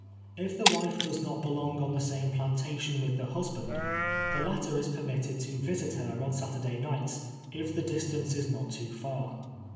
If the wife does not belong on the same plantation with the husband, the latter is permitted to visit her on Saturday nights, if the distance is not too far.